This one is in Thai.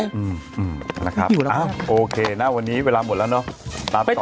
น่ะครับโอเคนะวันนี้เวลาหมดแล้วเนอะตามก่อนนะครับพี่อยู่แล้วกัน